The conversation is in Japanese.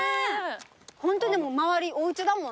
ホント周りおうちだもんね。